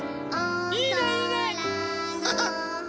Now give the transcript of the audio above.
いいねいいね。